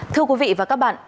thưa quý vị và các bạn